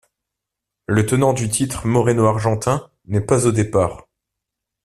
Le tenant du titre, Moreno Argentin, n'est pas au départ.